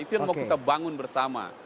itu yang mau kita bangun bersama